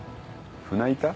船板？